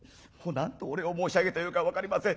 なんとお礼を申し上げてよいか分かりません。